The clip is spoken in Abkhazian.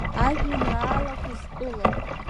Ажәеинраалақәа стәыла…